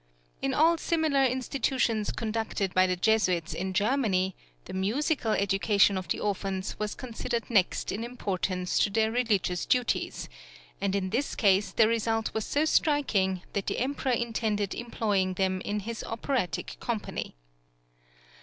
In all similar institutions conducted by the Jesuits in Germany, the musical education of the orphans was {THE FIRST OPERA IN VIENNA.} (96) considered next in importance to their religious duties, and in this case the result was so striking that the Emperor intended employing them in his operatic company.